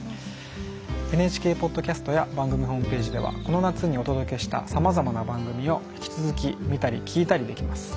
ＮＨＫポッドキャストや番組ホームページではこの夏にお届けしたさまざまな番組を引き続き見たり聴いたりできます。